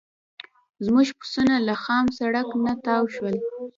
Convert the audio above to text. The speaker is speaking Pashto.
زموږ بسونه له خام سړک نه تاو شول.